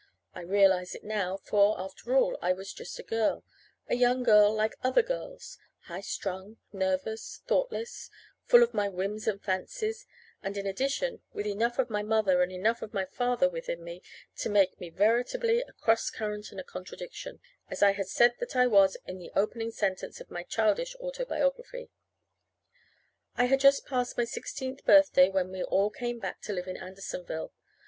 I realize it now. For, after all, I was just a girl a young girl, like other girls; high strung, nervous, thoughtless, full of my whims and fancies; and, in addition, with enough of my mother and enough of my father within me to make me veritably a cross current and a contradiction, as I had said that I was in the opening sentence of my childish autobiography. I had just passed my sixteenth birthday when we all came back to live in Andersonville.